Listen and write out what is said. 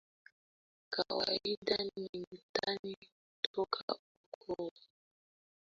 kawaida ni Mtani toka Ukoo mwingine ambae husaidiana na Wahunga kulitekeleza jambo la Ukoo